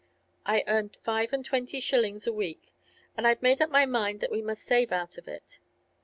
I earned five and twenty shillings a week, and I'd made up my mind that we must save out of it.